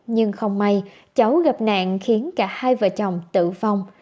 nhưng không may cháu gặp nạn khiến cả hai vợ chồng tử vong